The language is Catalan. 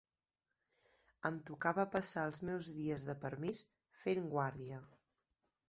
Em tocava passar els meus dies de permís fent guàrdia